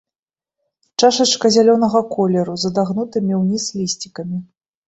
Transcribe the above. Чашачка зялёнага колеру, з адагнутымі ўніз лісцікамі.